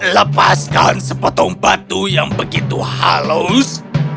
lepaskan sepotong batu yang begitu halus